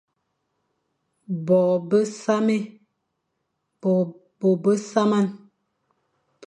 Bô besamé,